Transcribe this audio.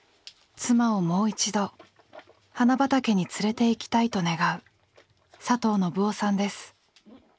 「妻をもう一度花畑に連れて行きたい」と願う佐藤信男さんです。